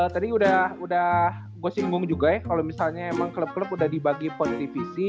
tadi udah gue singgung juga ya kalau misalnya emang klub klub udah dibagi politivisi